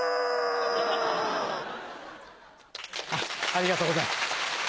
ありがとうございます。